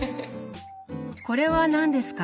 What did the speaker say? これは何ですか？